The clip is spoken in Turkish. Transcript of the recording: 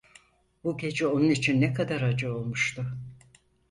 Bu gece onun için ne kadar acı olmuştu.